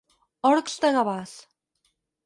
Orcs de Gavàs.